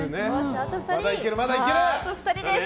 あと２人です。